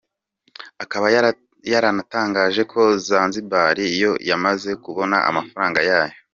Akaba yaranatangaje ko Zanzibar yo yamaze kubona amafaranga yayo.